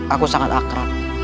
aku sangat akrab